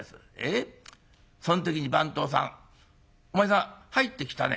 その時に番頭さんお前さん入ってきたね。